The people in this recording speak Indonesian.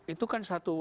itu kan satu